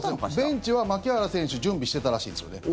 ベンチは牧原選手準備してたらしいんですよね。